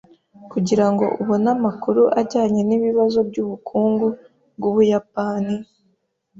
Kugirango ubone amakuru ajyanye nibibazo byubukungu bwu Buyapani,